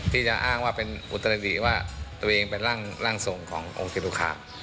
ที่จะอ้างว่าเป็นอุตรดิว่าตัวเองเป็นร่างทรงขององค์ศิตุคาม